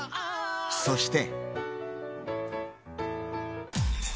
そして。